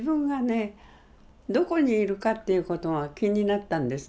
どこにいるかっていう事が気になったんです